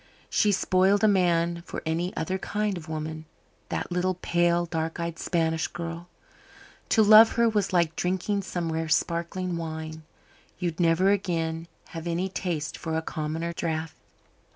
She spoiled a man for any other kind of woman that little pale, dark eyed Spanish girl. To love her was like drinking some rare sparkling wine. You'd never again have any taste for a commoner draught.